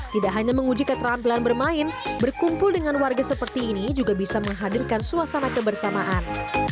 tidak hanya menguji keterampilan bermain berkumpul dengan warga seperti ini juga bisa menghadirkan suasana kebersamaan